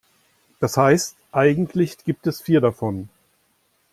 Das heißt, eigentlich gibt es vier davon.